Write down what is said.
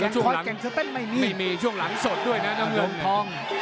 ช่วงหลังช่วงหลังสดด้วยนะเงินทอง